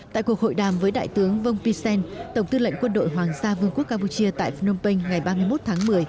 tổng tư lệnh quân đội hoàng sa vương quốc campuchia tại phnom penh ngày ba mươi một tháng một mươi